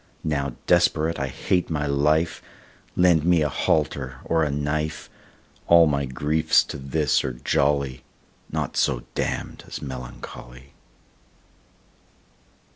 Now desperate I hate my life, Lend me a halter or a knife; All my griefs to this are jolly, Naught so damn'd as melancholy.